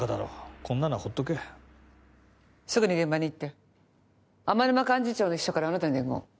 こんなのはほっとけすぐに現場に行って天沼幹事長の秘書からあなたに伝言